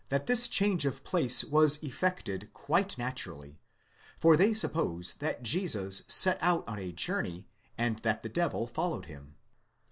255 that this change of place was effected quite naturally, for they suppose that Jesus set out on a journey, and that the devil followed him.!